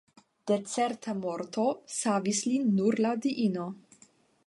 De certa morto savis lin nur la diino.